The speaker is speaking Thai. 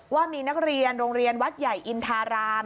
ว่ามีนักเรียนโรงเรียนวัดใหญ่อินทาราม